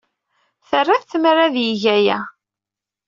Terra-t tmara ad yeg aya.